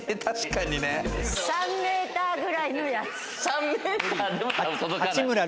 ３ｍくらいのやつ。